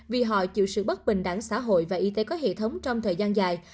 vì họ chịu sự bất bình đẳng xã hội và y tế có hệ thống trong thời gian dài